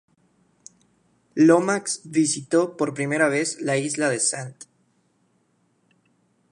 Lomax visitó por primera vez la isla de St.